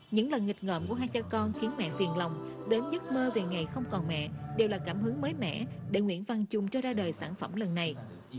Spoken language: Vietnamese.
những lần nghịch ngợm của hai cha con khiến mẹ phiền lòng đến giấc mơ về ngày không còn mẹ đều là cảm hứng mới mẻ để nguyễn văn trung cho ra đời sản phẩm lần này